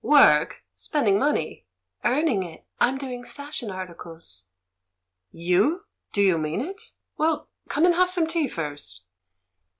" 'Work' ? Spending money ?" "Earning it — I'm doing fashion articles." "You? Do you mean it? Well, come and have some tea first."